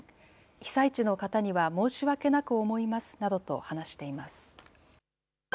被災地の方には、申し訳なく思いますなどと話しています。